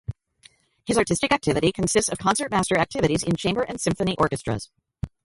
His artistic activity consists of concertmaster activities in chamber and symphony orchestras.